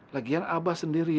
lagian abah sendirian